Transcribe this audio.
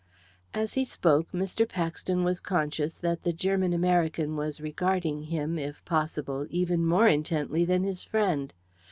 As he spoke Mr. Paxton was conscious that the German American was regarding him, if possible, even more intently than his friend.